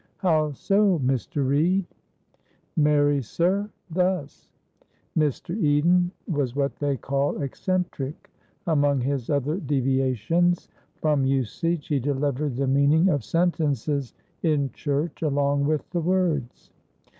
How so, Mr. Reade? Marry, sir, thus: Mr. Eden was what they call eccentric; among his other deviations from usage he delivered the meaning of sentences in church along with the words.